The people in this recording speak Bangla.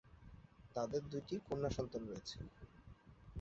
তাদের দুটি কন্যা সন্তান রয়েছে।